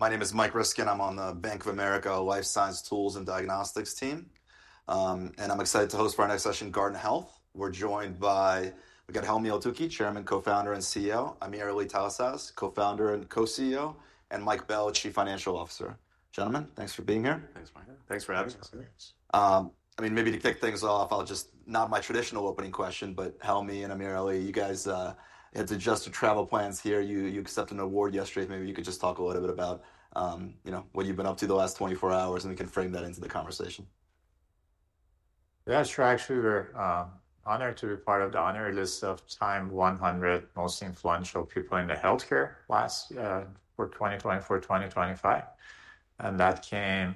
My name is Mike Riskin. I'm on the Bank of America Life Science Tools and Diagnostics team. I'm excited to host for our next session, Guardant Health. We're joined by, we got Helmy Eltoukhy, Chairman, Co-founder, and CEO, AmirAli Talasaz, Co-founder and Co-CEO, and Mike Bell, Chief Financial Officer. Gentlemen, thanks for being here. Thanks, Mike. Thanks for having us. I mean, maybe to kick things off, I'll just, not my traditional opening question, but Helmy and AmirAli, you guys had suggested travel plans here. You accepted an award yesterday. Maybe you could just talk a little bit about what you've been up to the last 24 hours, and we can frame that into the conversation. Yeah, sure. Actually, we're honored to be part of the honored list of top 100 Most Influential People in Healthcare last for 2024-2025. That came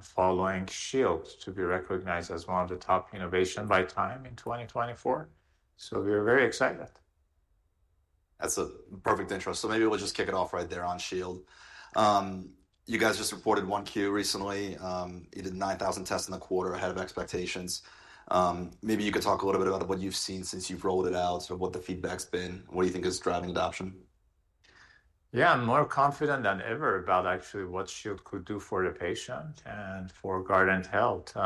following Shield to be recognized as one of the Top Innovations by Time in 2024. We're very excited. That's a perfect intro. Maybe we'll just kick it off right there on Shield. You guys just reported Q1 recently. You did 9,000 tests in the quarter ahead of expectations. Maybe you could talk a little bit about what you've seen since you've rolled it out, sort of what the feedback's been, what do you think is driving adoption? Yeah, I'm more confident than ever about actually what Shield could do for the patient and for Guardant Health.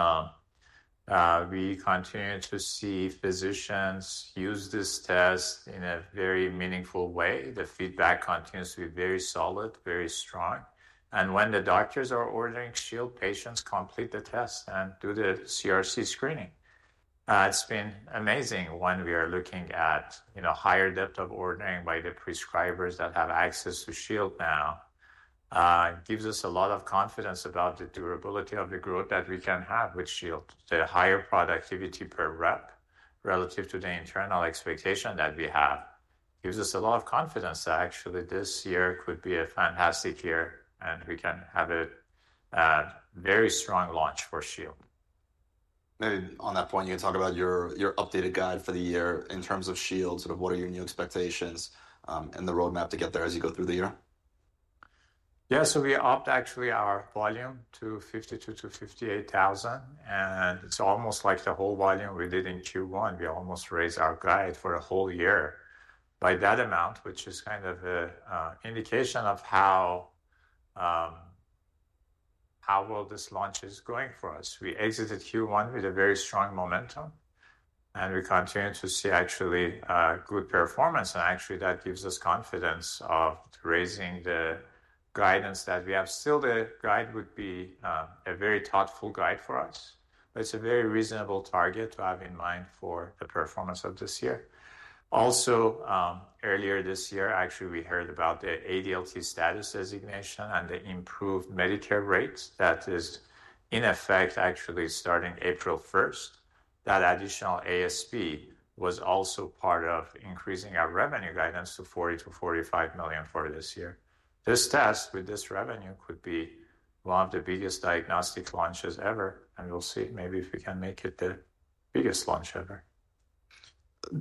We continue to see Physicians use this test in a very meaningful way. The feedback continues to be very solid, very strong. When the Doctors are ordering Shield, patients complete the test and do the CRC Screening. It's been amazing when we are looking at higher depth of ordering by the prescribers that have access to Shield now. It gives us a lot of confidence about the durability of the growth that we can have with Shield. The higher productivity per rep relative to the internal expectation that we have gives us a lot of confidence that actually this year could be a fantastic year, and we can have a very strong launch for Shield. Maybe on that point, you can talk about your updated guide for the year in terms of Shield, sort of what are your new expectations and the roadmap to get there as you go through the year? Yeah, so we upped actually our volume to 52,000-58,000. It's almost like the whole volume we did in Q1, we almost raised our guide for a whole year by that amount, which is kind of an indication of how well this launch is going for us. We exited Q1 with a very strong momentum, and we continue to see actually good performance. Actually, that gives us confidence of raising the guidance that we have. Still, the guide would be a very thoughtful guide for us, but it's a very reasonable target to have in mind for the performance of this year. Also, earlier this year, actually, we heard about the ADLT status designation and the improved Medicare rates that is in effect actually starting April 1. That additional ASP was also part of increasing our revenue guidance to $40,000,000-$45,000,000 for this year. This test, with this revenue, could be one of the biggest diagnostic launches ever. We will see maybe if we can make it the biggest launch ever.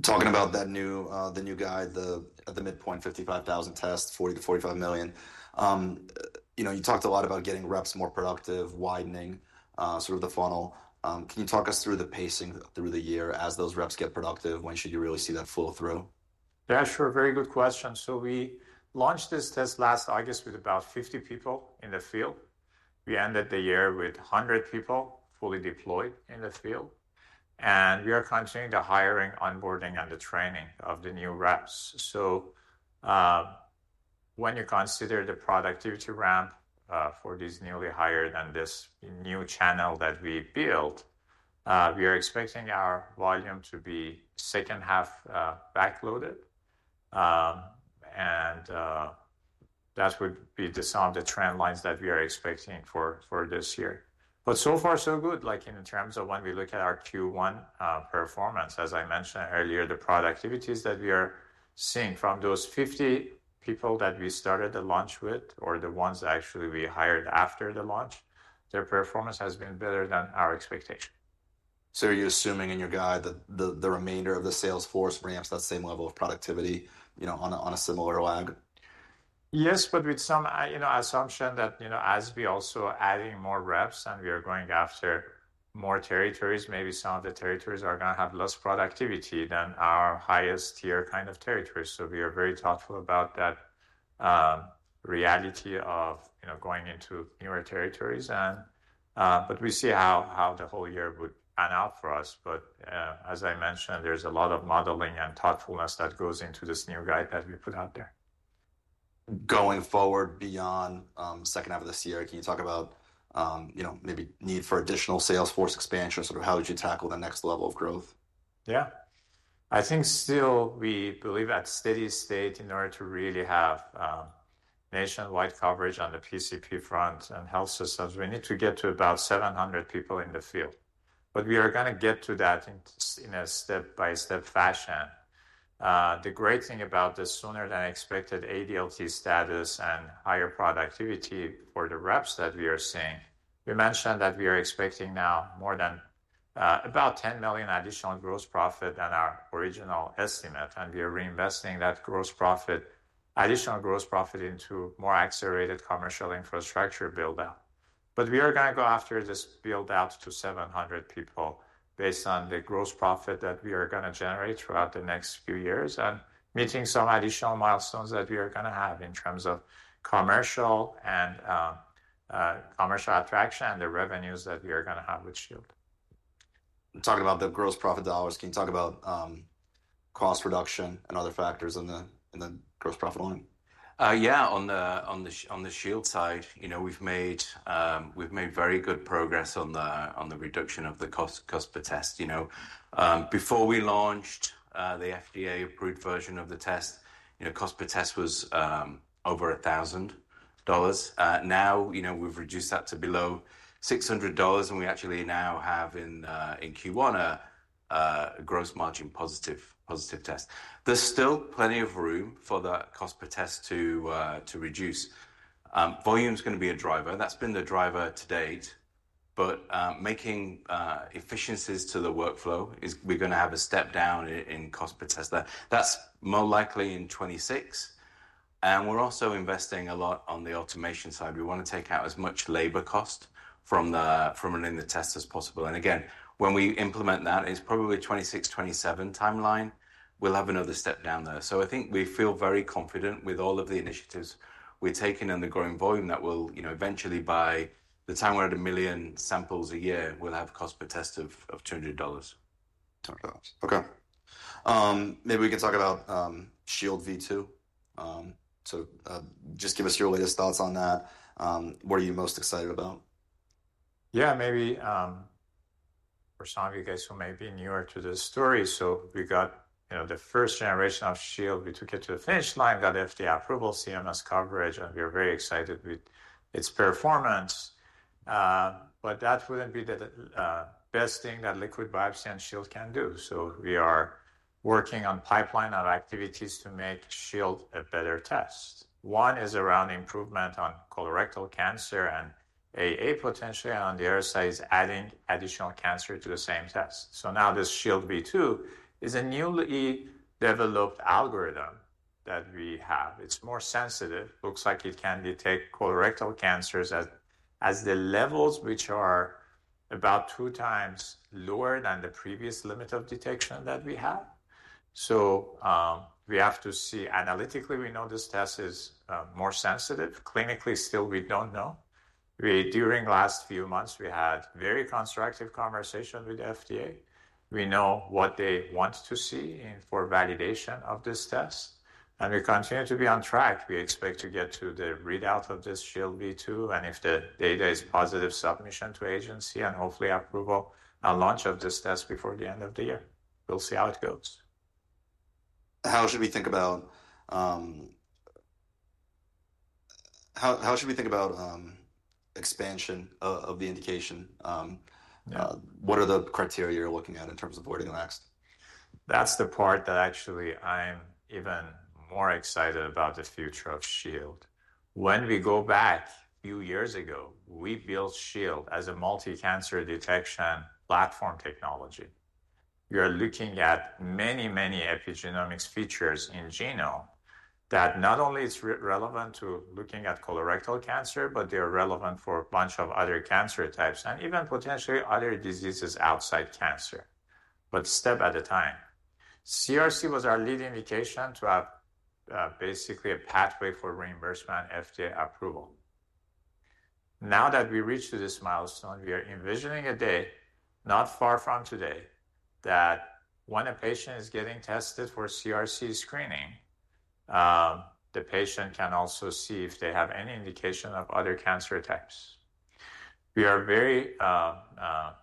Talking about the new guide, the midpoint $55,000 test, $40,000-$45,000,000, you talked a lot about getting reps more productive, widening sort of the funnel. Can you talk us through the pacing through the year as those reps get productive? When should you really see that flow through? Yeah, sure. Very good question. We launched this test last August with about 50 people in the field. We ended the year with 100 people fully deployed in the field. We are continuing the hiring, onboarding, and the training of the new reps. When you consider the productivity ramp for these newly hired and this new channel that we built, we are expecting our volume to be second half backloaded. That would be some of the trend lines that we are expecting for this year. So far, so good. Like in terms of when we look at our Q1 performance, as I mentioned earlier, the productivities that we are seeing from those 50 people that we started the launch with, or the ones actually we hired after the launch, their performance has been better than our expectation. Are you assuming in your guide that the remainder of the sales force ramps that same level of productivity on a similar lag? Yes, but with some assumption that as we also are adding more reps and we are going after more territories, maybe some of the territories are going to have less productivity than our highest tier kind of territories. We are very thoughtful about that reality of going into newer territories. We see how the whole year would pan out for us. As I mentioned, there is a lot of modeling and thoughtfulness that goes into this new guide that we put out there. Going forward beyond second half of this year, can you talk about maybe need for additional sales force expansion? Sort of how would you tackle the next level of growth? Yeah. I think still we believe at steady state in order to really have nationwide coverage on the PCP front and health systems, we need to get to about 700 people in the field. We are going to get to that in a step-by-step fashion. The great thing about the sooner than expected ADLT status and higher productivity for the reps that we are seeing, we mentioned that we are expecting now more than about $10 million additional gross profit than our original estimate. We are reinvesting that additional gross profit into more accelerated commercial infrastructure build-out. We are going to go after this build-out to 700 people based on the gross profit that we are going to generate throughout the next few years and meeting some additional milestones that we are going to have in terms of commercial attraction and the revenues that we are going to have with Shield. Talking about the Gross Profit Dollars, can you talk about cost reduction and other factors in the Gross Profit Line? Yeah, on the Shield side, we've made very good progress on the reduction of the cost per test. Before we launched the FDA-approved version of the test, cost per test was over $1,000. Now we've reduced that to below $600, and we actually now have in Q1 a gross margin positive test. There's still plenty of room for that cost per test to reduce. Volume is going to be a driver. That's been the driver to date. Making efficiencies to the workflow, we're going to have a step down in cost per test. That's more likely in 2026. We're also investing a lot on the automation side. We want to take out as much labor cost from running the test as possible. When we implement that, it's probably 2026, 2027 timeline. We'll have another step down there. I think we feel very confident with all of the initiatives we're taking and the growing volume that will eventually, by the time we're at a million samples a year, we'll have cost per test of $200. $200. Okay. Maybe we can talk about Shield v2. So just give us your latest thoughts on that. What are you most excited about? Yeah, maybe for some of you guys who may be newer to this story, we got the first generation of Shield. We took it to the finish line, got FDA approval, CMS coverage, and we're very excited with its performance. That would not be the best thing that liquid biopsy and Shield can do. We are working on a pipeline of activities to make Shield a better test. One is around improvement on Colorectal Cancer and AA potentially, and on the other side is adding additional cancer to the same test. Now this Shield v2 is a newly developed algorithm that we have. It's more sensitive. Looks like it can detect Colorectal Cancers at the levels which are about two times lower than the previous limit of detection that we have. We have to see analytically, we know this test is more sensitive. Clinically, still, we don't know. During the last few months, we had very constructive conversations with the FDA. We know what they want to see for validation of this test. We continue to be on track. We expect to get to the readout of this Shield v2, and if the data is positive, submission to agency and hopefully approval, a launch of this test before the end of the year. We'll see how it goes. How should we think about expansion of the indication? What are the criteria you're looking at in terms of wording next? That's the part that actually I'm even more excited about the future of Shield. When we go back a few years ago, we built Shield as a multicancer detection platform technology. We are looking at many, many epigenomics features in genome that not only it's relevant to looking at Colorectal Cancer, but they are relevant for a bunch of other cancer types and even potentially other diseases outside cancer. Step at a time. CRC was our lead indication to have basically a pathway for reimbursement and FDA approval. Now that we reached this milestone, we are envisioning a day not far from today that when a patient is getting tested for CRC Screening, the patient can also see if they have any indication of other cancer types. We are very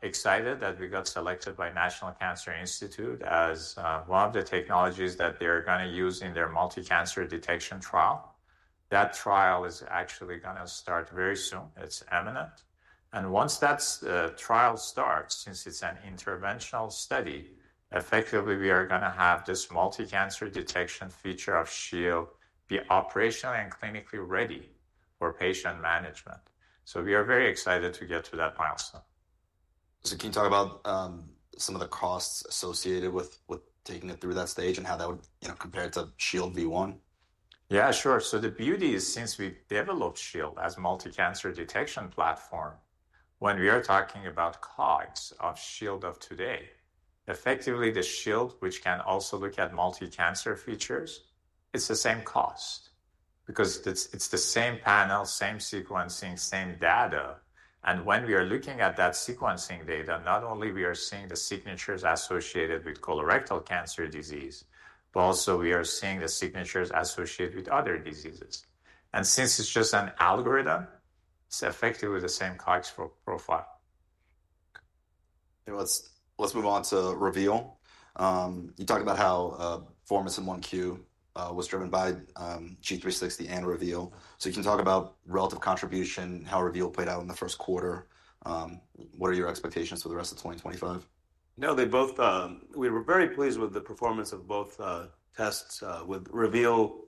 excited that we got selected by the National Cancer Institute as one of the technologies that they are going to use in their Multicancer Detection Trial. That trial is actually going to start very soon. It's imminent. Once that trial starts, since it's an interventional study, effectively, we are going to have this multicancer detection feature of Shield be operationally and clinically ready for patient management. We are very excited to get to that milestone. Can you talk about some of the costs associated with taking it through that stage and how that would compare to Shield v1? Yeah, sure. The beauty is since we've developed Shield as a Multicancer Detection Platform, when we are talking about costs of Shield of today, effectively, the Shield, which can also look at multicancer features, it's the same cost because it's the same panel, same sequencing, same data. When we are looking at that sequencing data, not only are we seeing the signatures associated with Colorectal Cancer Disease, but also we are seeing the signatures associated with other diseases. Since it's just an algorithm, it's effectively the same cost for profile. Let's move on to Reveal. You talked about how performance in Q1 was driven by G360 and Reveal. Can you talk about relative contribution, how Reveal played out in the Q1? What are your expectations for the rest of 2025? No, we were very pleased with the performance of both tests. With Reveal,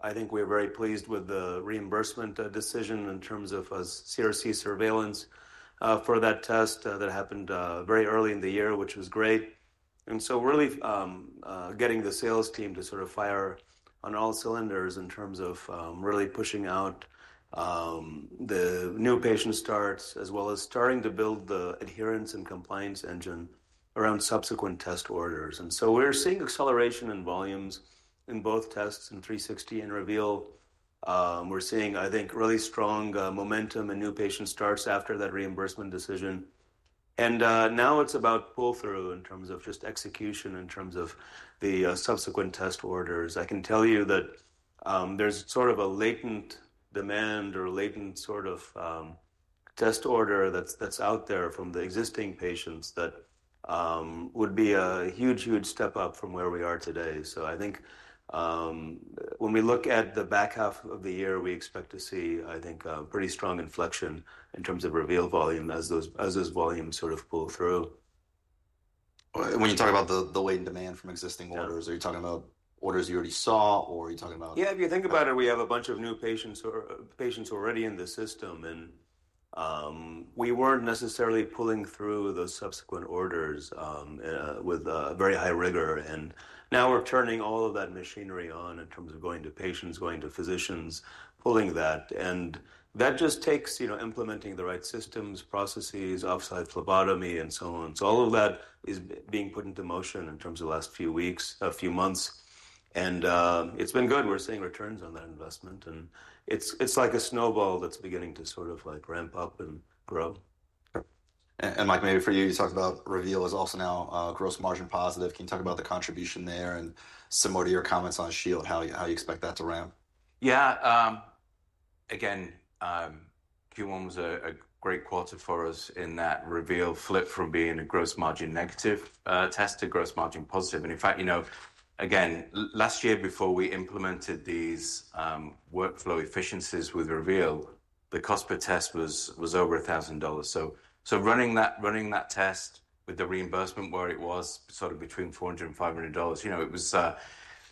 I think we were very pleased with the reimbursement decision in terms of CRC Surveillance for that test that happened very early in the year, which was great. Really getting the sales team to sort of fire on all cylinders in terms of really pushing out the new patient starts as well as starting to build the adherence and compliance engine around subsequent test orders. We are seeing acceleration in volumes in both tests in 360 and Reveal. We are seeing, I think, really strong momentum and new patient starts after that reimbursement decision. Now it is about pull-through in terms of just execution in terms of the subsequent test orders. I can tell you that there's sort of a latent demand or latent sort of test order that's out there from the existing patients that would be a huge, huge step up from where we are today. I think when we look at the back half of the year, we expect to see, I think, a pretty strong inflection in terms of Reveal volume as those volumes sort of pull through. When you talk about the weight and demand from existing orders, are you talking about orders you already saw, or are you talking about? Yeah, if you think about it, we have a bunch of new patients already in the system. We were not necessarily pulling through those subsequent orders with very high rigor. Now we are turning all of that machinery on in terms of going to patients, going to physicians, pulling that. That just takes implementing the right systems, processes, Offsite Phlebotomy, and so on. All of that is being put into motion in terms of the last few weeks, a few months. It has been good. We are seeing returns on that investment. It is like a snowball that is beginning to sort of ramp up and grow. Mike, maybe for you, you talked about Reveal is also now gross margin positive. Can you talk about the contribution there and some more of your comments on Shield, how you expect that to ramp? Yeah. Again, Q1 was a great quarter for us in that Reveal flipped from being a gross margin negative test to gross margin positive. In fact, again, last year, before we implemented these workflow efficiencies with Reveal, the cost per test was over $1,000. Running that test with the reimbursement where it was sort of between $400-$500,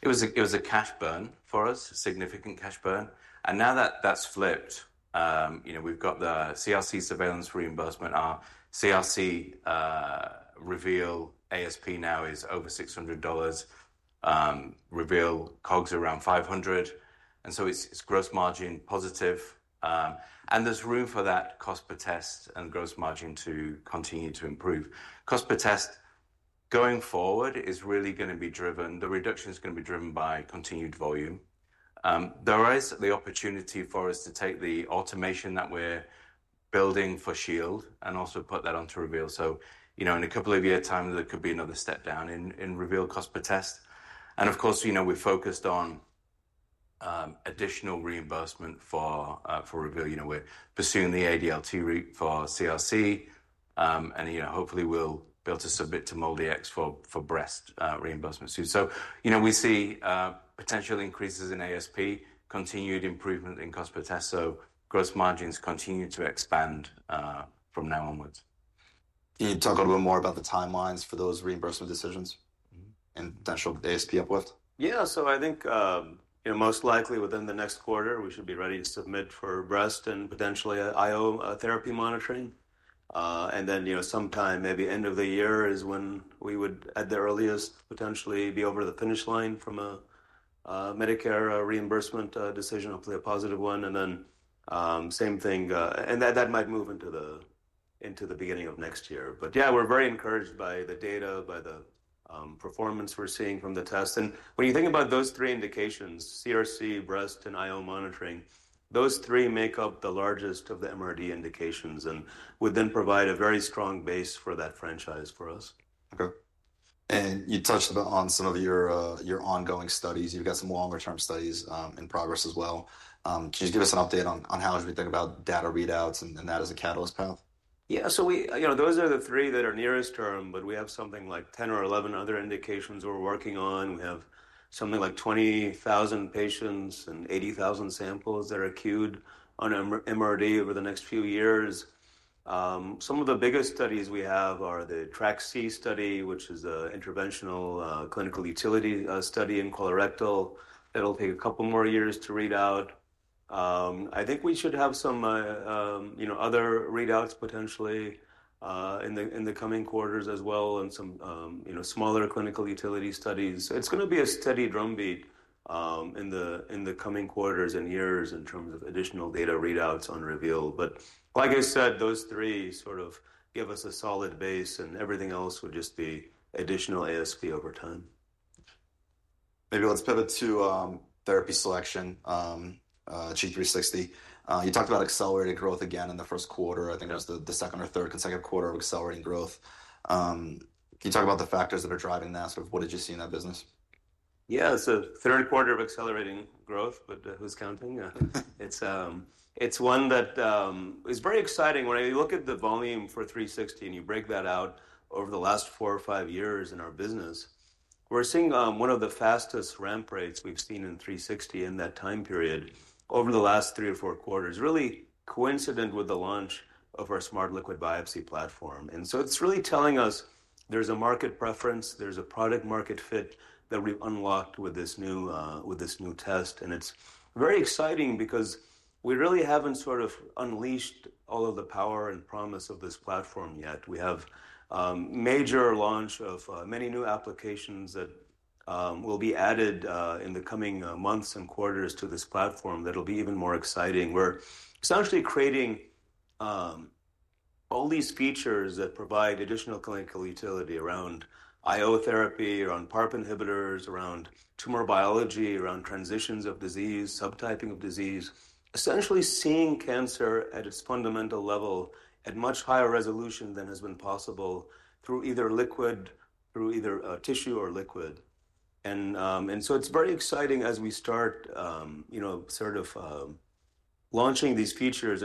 it was a cash burn for us, a significant cash burn. Now that that's flipped, we've got the CRC surveillance reimbursement. Our CRC Reveal ASP now is over $600. Reveal COGS around $500. It is gross margin positive. There is room for that cost per test and gross margin to continue to improve. Cost per test going forward is really going to be driven. The reduction is going to be driven by continued volume. There is the opportunity for us to take the automation that we're building for Shield and also put that onto Reveal. In a couple of years' time, there could be another step down in Reveal cost per test. Of course, we're focused on additional reimbursement for Reveal. We're pursuing the ADLT route for CRC. Hopefully, we'll be able to submit to MOLDI-X for breast reimbursement soon. We see potential increases in ASP, continued improvement in cost per test. Gross margins continue to expand from now onwards. Can you talk a little bit more about the timelines for those reimbursement decisions and potential ASP Uplift? Yeah. I think most likely within the next quarter, we should be ready to submit for breast and potentially IO Therapy Monitoring. Maybe end of the year is when we would, at the earliest, potentially be over the finish line from a Medicare reimbursement decision, hopefully a positive one. That might move into the beginning of next year. Yeah, we're very encouraged by the data, by the performance we're seeing from the tests. When you think about those three indications, CRC, breast, and IO monitoring, those three make up the largest of the MRD indications and would then provide a very strong base for that franchise for us. Okay. You touched on some of your ongoing studies. You've got some longer-term studies in progress as well. Can you just give us an update on how you think about data readouts and that as a Catalyst path? Yeah. So those are the three that are nearest term, but we have something like 10 or 11 other indications we're working on. We have something like 20,000 patients and 80,000 samples that are queued on MRD over the next few years. Some of the biggest studies we have are the TRACC study, which is an interventional clinical utility study in colorectal. That will take a couple more years to read out. I think we should have some other readouts potentially in the coming quarters as well and some smaller clinical utility studies. It is going to be a steady drumbeat in the coming quarters and years in terms of additional data readouts on Reveal. Like I said, those three sort of give us a solid base, and everything else would just be additional ASP over time. Maybe let's pivot to Therapy Selection, G360. You talked about accelerated growth again in the first quarter. I think it was the 2nd or 3rd consecutive quarter of accelerating growth. Can you talk about the factors that are driving that? Sort of what did you see in that business? Yeah, it's a Q3 of accelerating growth, but who's counting? It's one that is very exciting. When you look at the volume for 360 and you break that out over the last four or five years in our business, we're seeing one of the fastest ramp rates we've seen in 360 in that time period over the last three or four quarters, really coincident with the launch of our Smart Liquid Biopsy Platform. It's really telling us there's a market preference, there's a product-market fit that we've unlocked with this new test. It's very exciting because we really haven't sort of unleashed all of the power and promise of this platform yet. We have a major launch of many new applications that will be added in the coming months and quarters to this platform that will be even more exciting. We're essentially creating all these features that provide additional clinical utility around IO therapy, around PARP inhibitors, around tumor biology, around transitions of disease, subtyping of disease, essentially seeing cancer at its fundamental level at much higher resolution than has been possible through either tissue or liquid. It is very exciting as we start sort of launching these features.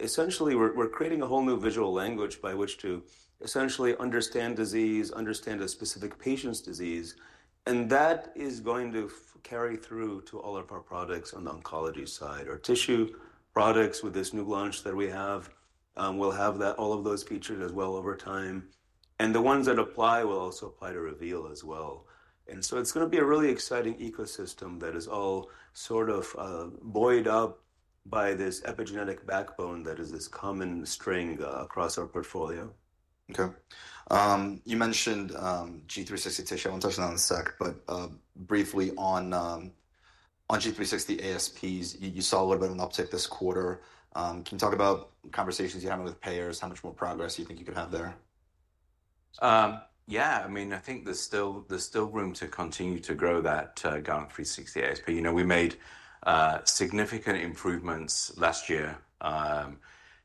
Essentially, we're creating a whole new visual language by which to essentially understand disease, understand a specific patient's disease. That is going to carry through to all of our products on the oncology side or tissue products with this new launch that we have. We'll have all of those features as well over time. The ones that apply will also apply to Reveal as well. It's going to be a really exciting Ecosystem that is all sort of buoyed up by this epigenetic backbone that is this common string across our portfolio. Okay. You mentioned G360 Tissue. I want to touch on that in a sec, but briefly on G360 ASPs, you saw a little bit of an uptick this quarter. Can you talk about conversations you're having with payers? How much more progress do you think you could have there? Yeah. I mean, I think there's still room to continue to grow that Guardant 360 ASP. We made significant improvements last year,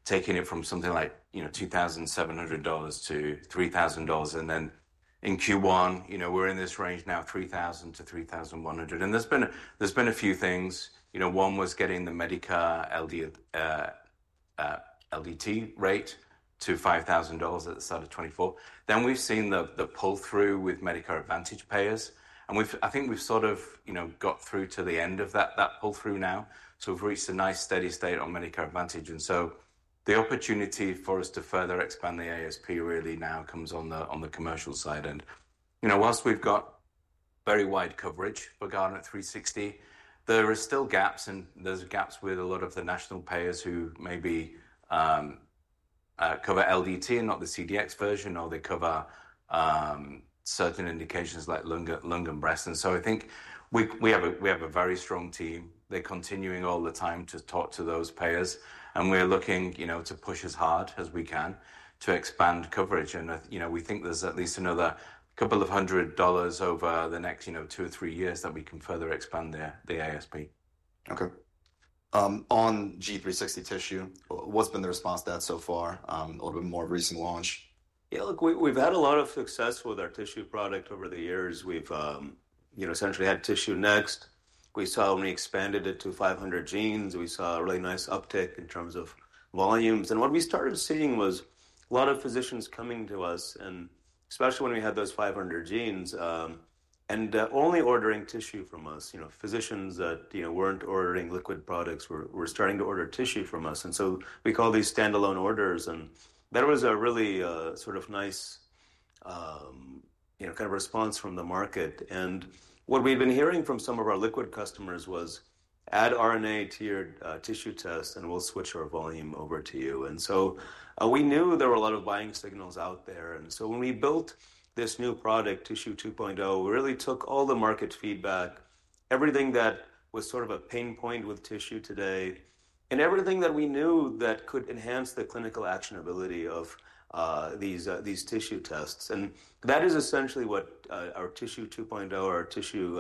taking it from something like $2,700 to $3,000. In Q1, we're in this range now, $3,000-$3,100. There's been a few things. One was getting the Medicare LDT rate to $5,000 at the start of 2024. We've seen the pull-through with Medicare Advantage payers. I think we've sort of got through to the end of that pull-through now. We've reached a nice steady state on Medicare Advantage. The opportunity for us to further expand the ASP really now comes on the commercial side. Whilst we've got very wide coverage for Guardant360, there are still gaps. There are gaps with a lot of the national payers who maybe cover LDT and not the CDX version, or they cover certain indications like lung and breast. I think we have a very strong team. They are continuing all the time to talk to those payers. We are looking to push as hard as we can to expand coverage. We think there is at least another couple of hundred dollars over the next two or three years that we can further expand the ASP. Okay. On G360 Tissue, what's been the response to that so far? A little bit more recent launch. Yeah, look, we've had a lot of success with our tissue product over the years. We've essentially had Tissue Next. We saw when we expanded it to 500 genes, we saw a really nice uptick in terms of volumes. What we started seeing was a lot of physicians coming to us, and especially when we had those 500 genes, and only ordering tissue from us. Physicians that weren't ordering liquid products were starting to order tissue from us. We call these standalone orders. That was a really sort of nice kind of response from the market. What we've been hearing from some of our liquid customers was, "Add RNA-tiered Tissue Tests, and we'll switch our volume over to you." We knew there were a lot of buying signals out there. When we built this new product, Tissue 2.0, we really took all the market feedback, everything that was sort of a pain point with tissue today, and everything that we knew that could enhance the clinical actionability of these tissue tests. That is essentially what our Tissue 2.0 or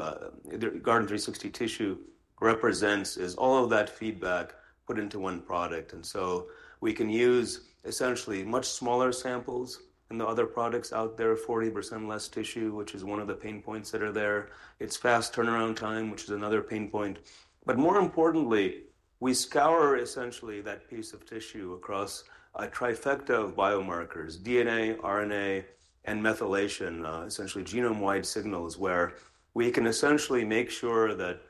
our Guardant360 Tissue represents, is all of that feedback put into one product. We can use essentially much smaller samples than the other products out there, 40% less tissue, which is one of the pain points that are there. It's fast turnaround time, which is another pain point. More importantly, we scour essentially that piece of tissue across a trifecta of biomarkers, DNA, RNA, and methylation, essentially Genome-wide Signals where we can essentially make sure that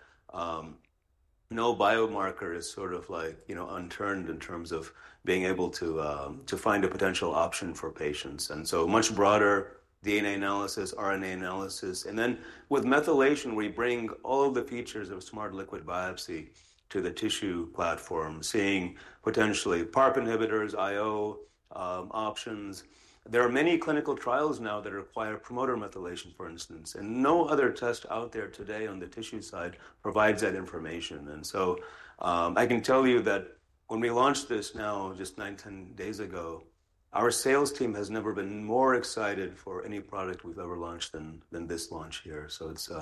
no biomarker is sort of like unturned in terms of being able to find a potential option for patients. So much broader DNA analysis, RNA analysis. Then with Methylation, we bring all of the features of Smart Liquid Biopsy to the Tissue Platform, seeing potentially PARP Inhibitors, IO Options. There are many clinical trials now that require promoter methylation, for instance. No other test out there today on the tissue side provides that information. I can tell you that when we launched this now just nine, ten days ago, our sales team has never been more excited for any product we've ever launched than this launch here. It's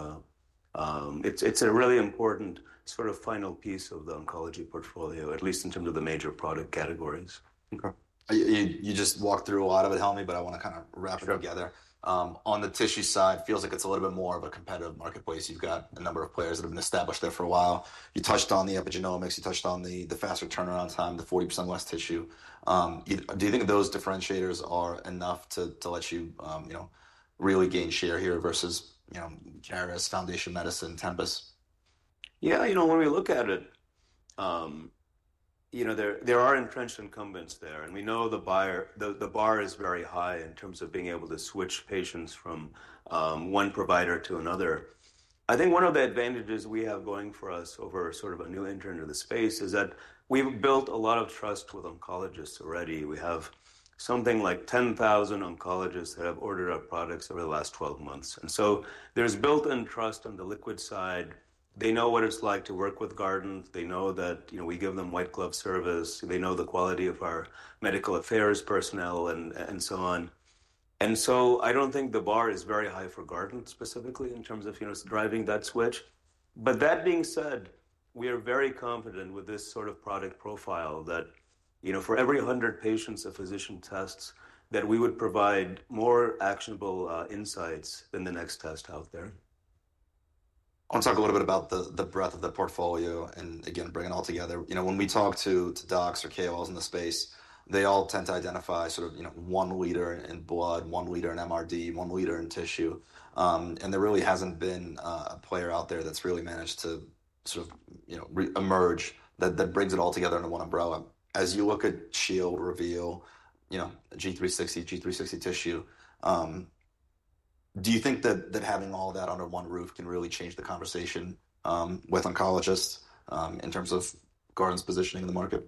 a really important sort of final piece of the Oncology Portfolio, at least in terms of the major product categories. Okay. You just walked through a lot of it, Helmy, but I want to kind of wrap it together. On the tissue side, it feels like it's a little bit more of a competitive marketplace. You've got a number of players that have been established there for a while. You touched on the epigenomics. You touched on the faster turnaround time, the 40% less tissue. Do you think those differentiators are enough to let you really gain share here versus Caris, Foundation Medicine, Tempus? Yeah. You know, when we look at it, there are entrenched incumbents there. We know the bar is very high in terms of being able to switch patients from one provider to another. I think one of the advantages we have going for us over sort of a new entrant in the space is that we've built a lot of trust with oncologists already. We have something like 10,000 oncologists that have ordered our products over the last 12 months. There is built-in trust on the liquid side. They know what it's like to work with Guardant. They know that we give them white-glove service. They know the quality of our medical affairs personnel and so on. I do not think the bar is very high for Guardant specifically in terms of driving that switch. That being said, we are very confident with this sort of product profile that for every 100 patients a physician tests, that we would provide more actionable insights than the next test out there. I want to talk a little bit about the breadth of the portfolio and, again, bring it all together. When we talk to docs or KOLs in the space, they all tend to identify sort of one leader in blood, one leader in MRD, one leader in tissue. There really hasn't been a player out there that's really managed to sort of emerge that brings it all together into one umbrella. As you look at Shield, Reveal, G360, G360 Tissue, do you think that having all that under one roof can really change the conversation with Oncologists in terms of Guardant's positioning in the market?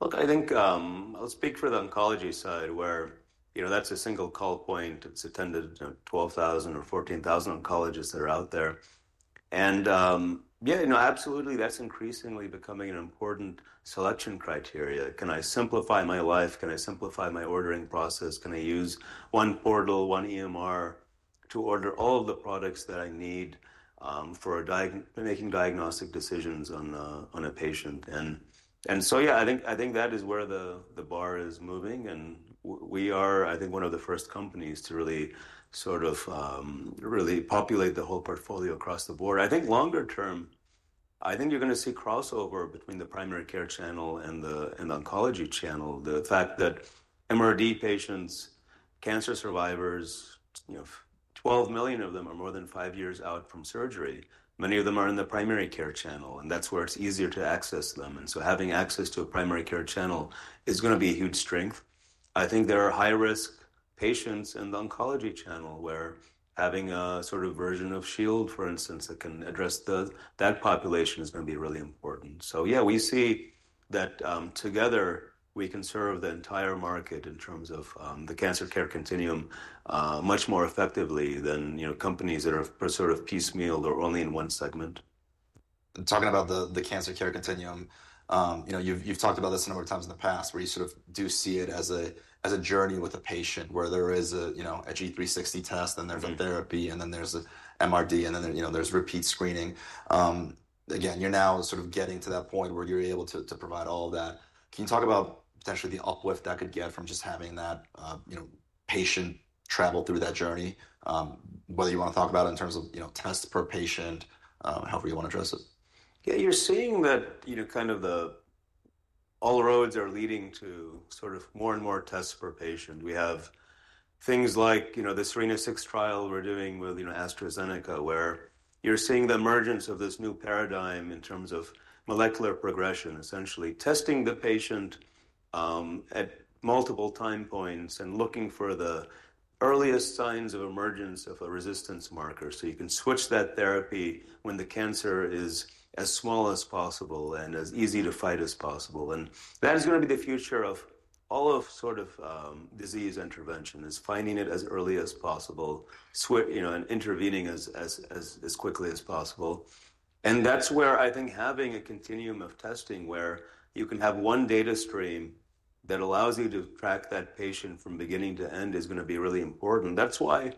Look, I think I'll speak for the oncology side where that's a single call point. It's attended 12,000 or 14,000 Oncologists that are out there. Yeah, absolutely, that's increasingly becoming an important selection criteria. Can I simplify my life? Can I simplify my ordering process? Can I use one portal, one EMR to order all of the products that I need for making diagnostic decisions on a patient? Yeah, I think that is where the bar is moving. We are, I think, one of the first companies to really sort of really populate the whole portfolio across the board. I think longer term, I think you're going to see crossover between the primary care channel and the oncology channel. The fact that MRD patients, cancer survivors, 12 million of them are more than five years out from surgery. Many of them are in the primary care channel, and that's where it's easier to access them. Having access to a primary care channel is going to be a huge strength. I think there are high-risk patients in the oncology channel where having a sort of version of Shield, for instance, that can address that population is going to be really important. Yeah, we see that together, we can serve the entire market in terms of the cancer care continuum much more effectively than companies that are sort of piecemeal or only in one segment. Talking about the Cancer Care Continuum, you've talked about this a number of times in the past where you sort of do see it as a journey with a patient where there is a G360 test, then there's a therapy, and then there's an MRD, and then there's repeat screening. Again, you're now sort of getting to that point where you're able to provide all of that. Can you talk about potentially the uplift that could get from just having that patient travel through that journey, whether you want to talk about it in terms of tests per patient, however you want to address it? Yeah, you're seeing that kind of all roads are leading to sort of more and more tests per patient. We have things like the Serena 6 trial we're doing with AstraZeneca where you're seeing the emergence of this new paradigm in terms of molecular progression, essentially testing the patient at multiple time points and looking for the earliest signs of emergence of a resistance marker. You can switch that therapy when the cancer is as small as possible and as easy to fight as possible. That is going to be the future of all of sort of disease intervention, finding it as early as possible and intervening as quickly as possible. That is where I think having a continuum of testing where you can have one data stream that allows you to track that patient from beginning to end is going to be really important. That's why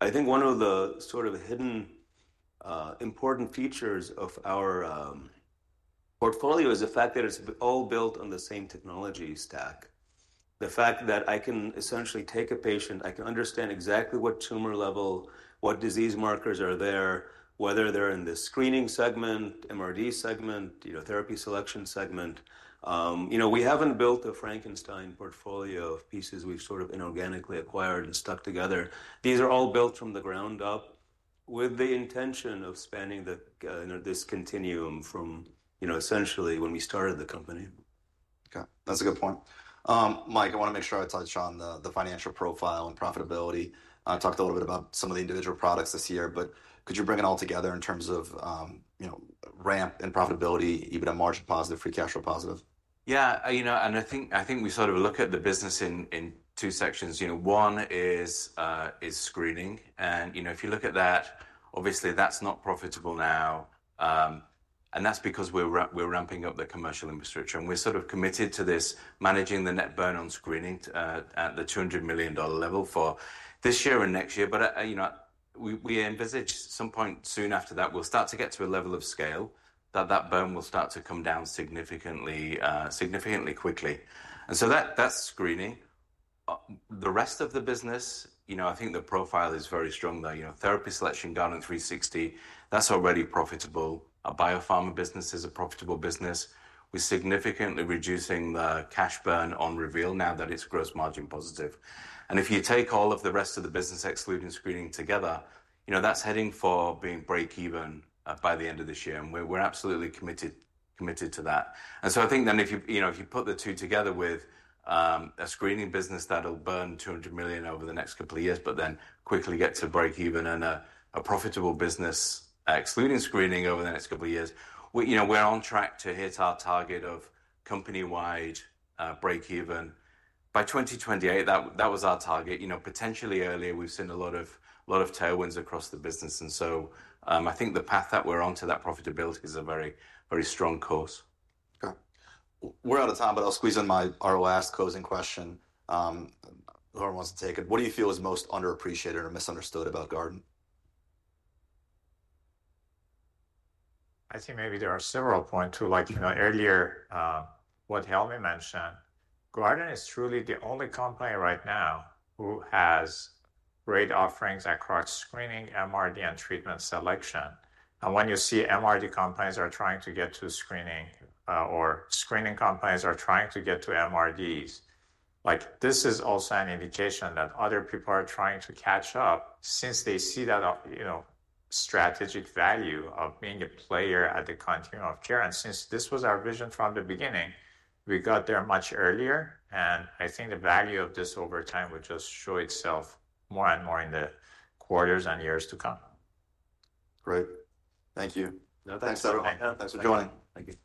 I think one of the sort of hidden important features of our portfolio is the fact that it's all built on the same technology stack. The fact that I can essentially take a patient, I can understand exactly what tumor level, what disease markers are there, whether they're in the screening segment, MRD segment, therapy selection segment. We haven't built a Frankenstein portfolio of pieces we've sort of inorganically acquired and stuck together. These are all built from the ground up with the intention of spanning this continuum from essentially when we started the company. Okay. That's a good point. Mike, I want to make sure I touch on the financial profile and profitability. I talked a little bit about some of the individual products this year, but could you bring it all together in terms of ramp and profitability, even a margin positive, free cash flow positive? Yeah. I think we sort of look at the business in two sections. One is screening. If you look at that, obviously, that's not profitable now. That's because we're ramping up the commercial infrastructure. We're sort of committed to this, managing the net burn on screening at the $200 million level for this year and next year. We envisage at some point soon after that, we'll start to get to a level of scale that that burn will start to come down significantly quickly. That's screening. The rest of the business, I think the profile is very strong there. Therapy selection, Guardant 360, that's already profitable. A biopharma business is a profitable business. We're significantly reducing the cash burn on Reveal now that it's gross margin positive. If you take all of the rest of the business excluding screening together, that is heading for being break-even by the end of this year. We are absolutely committed to that. I think then if you put the two together with a screening business that will burn $200 million over the next couple of years, but then quickly get to break-even and a profitable business excluding screening over the next couple of years, we are on track to hit our target of company-wide break-even by 2028. That was our target. Potentially earlier, we have seen a lot of tailwinds across the business. I think the path that we are on to that profitability is a very strong course. Okay. We're out of time, but I'll squeeze in my ROAS closing question. Whoever wants to take it. What do you feel is most underappreciated or misunderstood about Guardant? I think maybe there are several points too. Like earlier, what Helmy mentioned, Guardant is truly the only company right now who has great offerings across screening, MRD, and treatment selection. When you see MRD companies are trying to get to screening or screening companies are trying to get to MRD, this is also an indication that other people are trying to catch up since they see that strategic value of being a player at the continuum of care. Since this was our vision from the beginning, we got there much earlier. I think the value of this over time will just show itself more and more in the quarters and years to come. Great. Thank you. Thanks, everyone. Thanks for joining. Thank you.